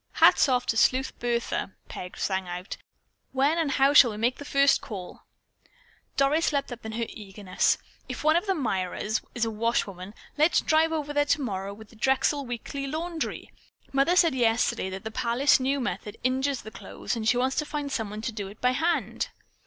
"Hats off to Sleuth Bertha!" Peg sang out. "When and how shall we make the first call?" Doris leaped up in her eagerness. "If one of the Myras is a washwoman, let's drive over there tomorrow with the Drexel weekly laundry. Mother said yesterday that the Palace New Method injures the clothes and she wants to find someone to do it by hand."